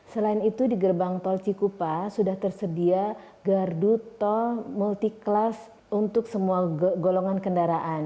selain itu di gerbang tol cikupa sudah tersedia gardu tol multi kelas untuk semua golongan kendaraan